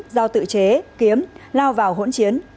giao tự chế kiếm lao vào hỗn chiến